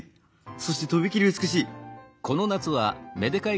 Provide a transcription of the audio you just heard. そしてとびきり美しい」。